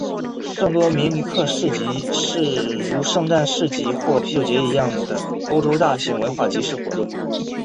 圣多明尼克市集是如圣诞市集或啤酒节一样的欧洲大型文化集市活动。